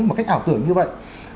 một cách ảo tưởng như vậy